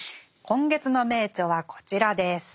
今月の名著はこちらです。